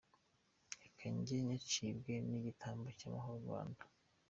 Reka njye nyacibwe n’igitambo cy’amahoro i Rwanda.